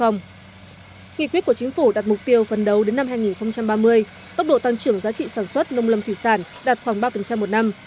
nghị quyết của chính phủ đặt mục tiêu phần đầu đến năm hai nghìn ba mươi tốc độ tăng trưởng giá trị sản xuất nông lâm thủy sản đạt khoảng ba một năm